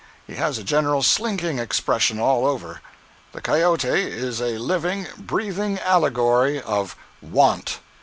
He has a general slinking expression all over. The cayote is a living, breathing allegory of Want.